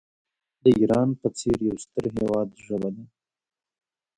د ایران په څېر یو ستر هیواد ژبه ده.